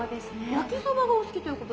焼きそばがお好きということで。